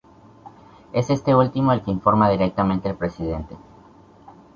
Es este último el que informa directamente al Presidente.